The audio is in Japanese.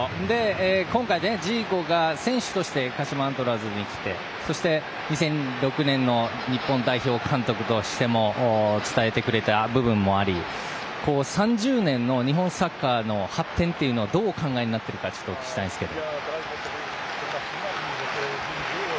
ジーコさんが選手として鹿島アントラーズに来て２００６年の日本代表監督としても伝えてくれた部分もあり３０年の日本サッカーの発展はどう考えているかちょっとお聞きしたいんですけど。